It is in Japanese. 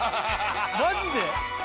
マジで？